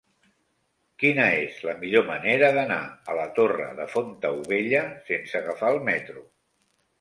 Quina és la millor manera d'anar a la Torre de Fontaubella sense agafar el metro?